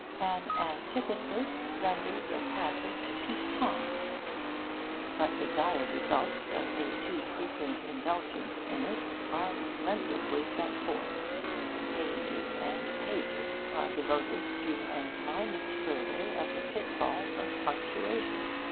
'An antithesis renders a passage piquant'; but the dire results of a too frequent indulgence in it are relentlessly set forth. Pages and pages are devoted to a minute survey of the pit falls of punctuation.